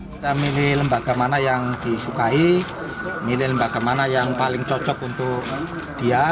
kita milih lembaga mana yang disukai milih lembaga mana yang paling cocok untuk dia